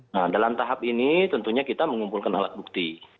nah dalam tahap ini tentunya kita mengumpulkan alat bukti